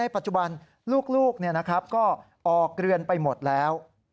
ปัจจุบันลูกก็ออกเรือนไปหมดแล้ว